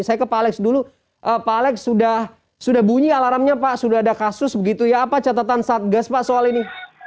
saya ke pak alex dulu pak alex sudah bunyi alarmnya pak sudah ada kasus begitu ya apa catatan satgas pak soal ini